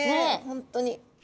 本当に。